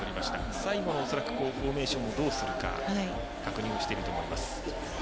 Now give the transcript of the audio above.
最後のフォーメーションをどうするか確認していると思います。